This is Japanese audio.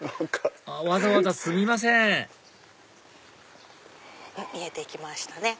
わざわざすみません見えてきましたね。